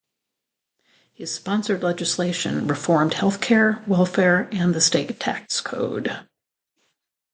His sponsored legislation reformed health care, welfare, and the state tax code.